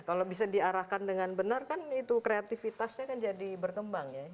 kalau bisa diarahkan dengan benar kan itu kreativitasnya kan jadi berkembang ya